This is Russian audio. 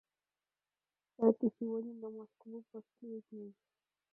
– Это сегодня на Москву последний.